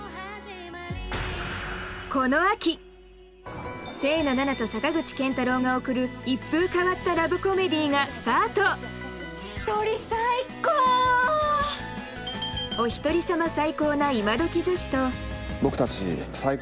この秋清野菜名と坂口健太郎が送る一風変わったラブコメディーがスタート一人最高！